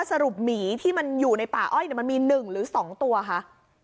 หมีที่มันอยู่ในป่าอ้อยมันมี๑หรือ๒ตัวคะ